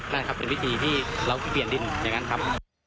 นั่นครับเป็นวิธีที่เราเปลี่ยนดินอย่างนั้นครับ